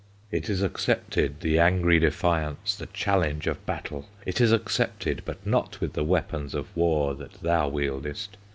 "It is accepted The angry defiance, The challenge of battle! It is accepted, But not with the weapons Of war that thou wieldest!